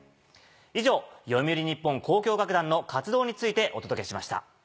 以上読売日本交響楽団の活動についてお届けしました。